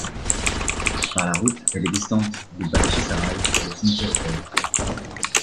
Par la route, elle est distante de de Bakhtchyssaraï et de de Simferopol.